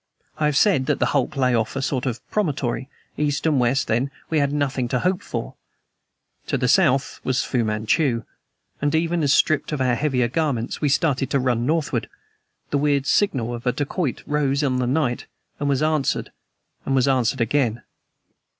I have said that the hulk lay off a sort of promontory. East and west, then, we had nothing to hope for. To the south was Fu Manchu; and even as, stripped of our heavier garments, we started to run northward, the weird signal of a dacoit rose on the night and was answered was answered again.